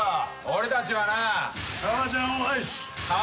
俺たちはな。